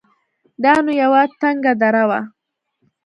دا نو يوه تنگه دره وه.